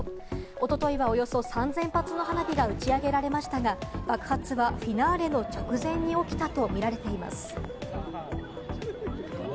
おとといはおよそ３０００発の花火が打ち上げられましたが、爆発はフィナーレの直前に起きたと見られています。